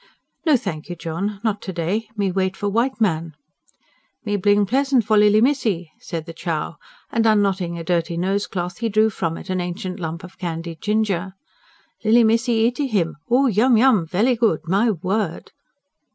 "No thank you, John, not to day. Me wait for white man." "Me bling pleasant for lilly missee," said the Chow; and unknotting a dirty nosecloth, he drew from it an ancient lump of candied ginger. "Lilly missee eatee him ... oh, yum, yum! Velly good. My word!"